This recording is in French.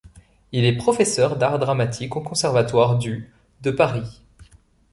Il est professeur d’art dramatique au conservatoire du de Paris.